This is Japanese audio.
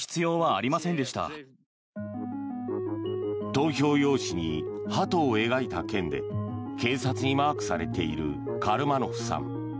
投票用紙にハトを描いた件で警察にマークされているカルマノフさん。